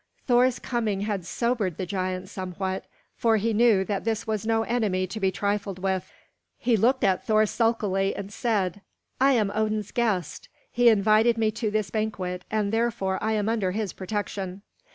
Thor's coming had sobered the giant somewhat, for he knew that this was no enemy to be trifled with. He looked at Thor sulkily and said: "I am Odin's guest. He invited me to this banquet, and therefore I am under his protection."